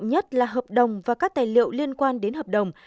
nhất là hợp đồng và các tài liệu liên quan đến hợp đồng